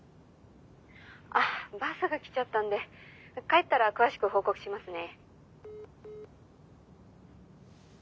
あっバスが来ちゃったんで帰ったら詳しく報告しますね。